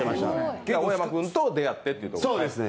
青山君と出会ってということですね。